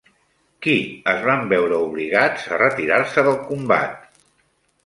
Qui es van veure obligats a retirar-se del combat?